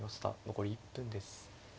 残り１分です。